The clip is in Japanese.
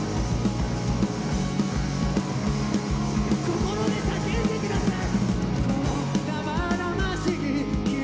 心で叫んでください！